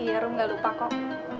iya ruh nggak lupa kok